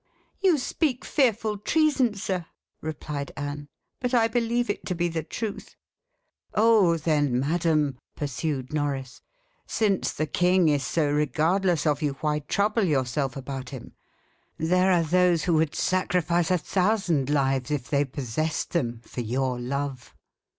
"You speak fearful treason, sir!" replied Anne; "but I believe it to be the truth." "Oh, then, madam!" pursued Norris, "since the king is so regardless of you, why trouble yourself about him? There are those who would sacrifice a thousand lives, if they possessed them, for your love."